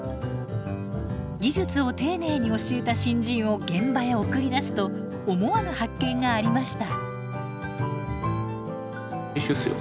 技術を丁寧に教えた新人を現場へ送り出すと思わぬ発見がありました。